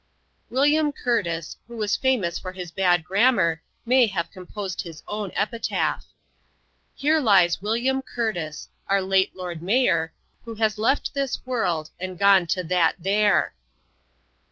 William Curtis, who was famous for his bad grammar, may have composed his own epitaph: "Here lies William Curtis Our late Lord Mayor Who has left this world, And gone to that there."